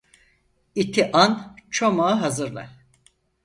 İti an, çomağı hazırla.